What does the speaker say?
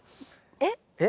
えっ？